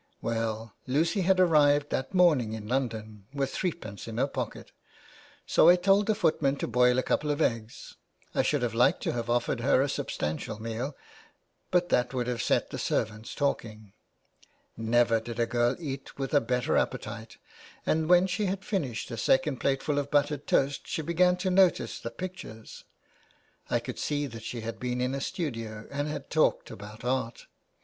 Well, Lucy had arrived that morning in London with threepence in her pocket, so I told the footman to boil a couple of eggs. I should have liked to have offered her a substantial meal, but that would have set the servants talking. Never did a girl eat with a better appetite, and when she had finished a second plateful of buttered toast she began to notice the 401 2 C THE WAY BACK. pictures. I could see that she had been in a studio and had talked about art.